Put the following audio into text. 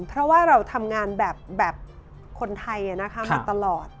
เพราะว่าเราทำงานแบบคนไทยมาตลอด